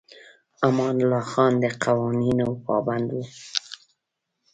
امان الله خان د قوانینو پابند و.